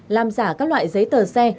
làm giả các loại giấy tờ xe